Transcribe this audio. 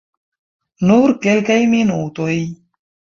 Nur kelkaj minutoj.